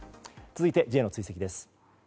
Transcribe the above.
続いてＪの追跡です。